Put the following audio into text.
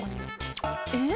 えっ？